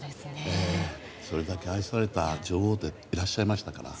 それだけ愛された女王でいらっしゃいましたから。